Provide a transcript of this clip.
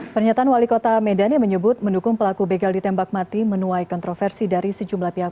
pernyataan wali kota medan yang menyebut mendukung pelaku begal ditembak mati menuai kontroversi dari sejumlah pihak